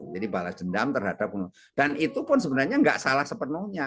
jadi balas dendam terhadap dan itu pun sebenarnya tidak salah sepenuhnya